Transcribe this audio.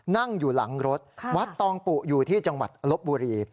นั่งอยู่หลังรถวัดตองปุอยู่ที่จังหวัดลบบุรี